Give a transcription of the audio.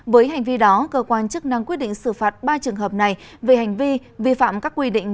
với hành vi đó cơ quan chức năng quyết định xử phạt ba trường hợp này về hành vi vi phạm các quy định